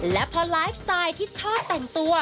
และพอไลฟ์สไตล์ที่ชอบแต่งตัว